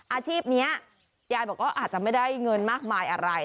อาชีพนี้ยายบอกว่าอาจจะไม่ได้เงินมากมายอะไร